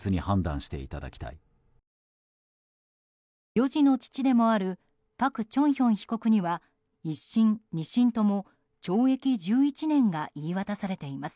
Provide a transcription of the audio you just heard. ４児の父でもあるパク・チョンヒョン被告には１審２審とも懲役１１年が言い渡されています。